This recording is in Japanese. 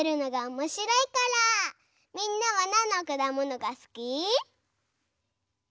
みんなはなんのくだものがすき？